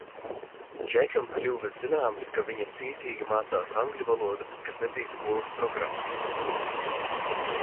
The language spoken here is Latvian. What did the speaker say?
Džekam kļuva zināms, ka viņa cītīgi mācās angļu valodu, kas nebija skolas programmā.